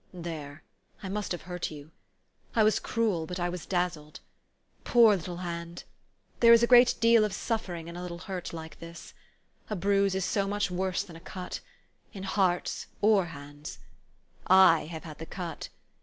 <' There, I must have hurt you. I was cruel ; but I was dazzled. Poor little hand ! There is 9 great deal of suffering in a little hurt like this. A bruise is so much worse than a cut in hearts 01 hands. / have had the cut.